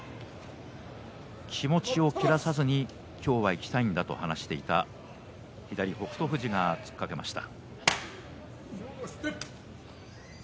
気持ちを切らさずに今日はいきたいんだと話をしていた左、北勝富士が突っかけました。